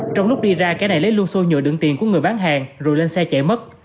trong lúc đi ra kẻ này lấy luôn xô nhựa đựng tiền của người bán hàng rồi lên xe chạy mất